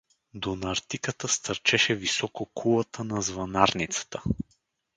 До нартиката стърчеше високо кулата на звънарницата.